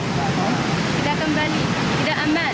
tidak kembali tidak aman